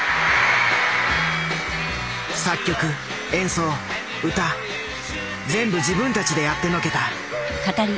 作曲演奏歌全部自分たちでやってのけた。